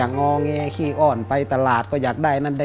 งองแกะขี้อ้อนไปตลาดก็อยากได้